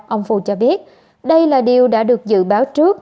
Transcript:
ông phù cho biết đây là điều đã được dự báo trước